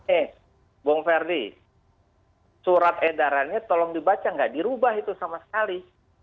eh bung ferdi surat edarannya tolong dibaca nggak dirubah itu sama sekali